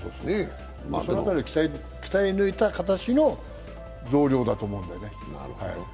その辺りを鍛え抜いた形の増量だと思うんだよね。